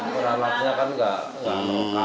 pindahkan ke sini juga